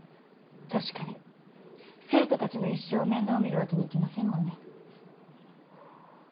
確かに生徒たちの一生を面倒見るわけにいきませんもんね。